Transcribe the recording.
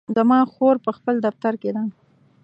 زما خور په خپل دفتر کې ده